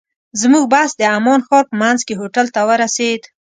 زموږ بس د عمان ښار په منځ کې هوټل ته ورسېد.